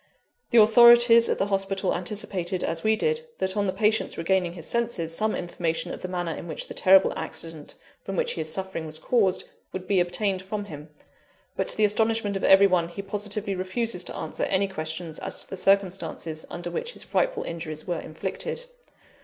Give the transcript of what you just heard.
The authorities at the hospital anticipated, as we did, that, on the patient's regaining his senses, some information of the manner in which the terrible accident from which he is suffering was caused, would be obtained from him. But, to the astonishment of every one, he positively refuses to answer any questions as to the circumstances under which his frightful injuries were inflicted.